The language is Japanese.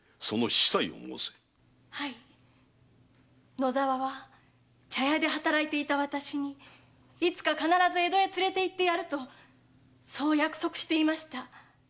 野沢は茶屋で働いていた私に「いつか必ず江戸へ連れていってやる」とそう約束していました。